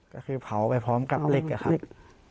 ก็คือเผาไปพร้อมกับเหล็กอะครับ